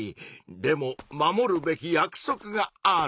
でも守るべき約束がある。